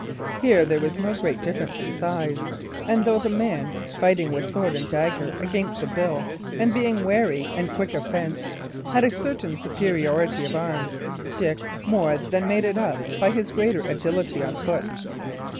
Here there was no great difference in size, and though the man, fighting with sword and dagger against a bill, and being wary and quick of fence, had a certain superiority of arms, Dick more than made it up by his greater agility on foot.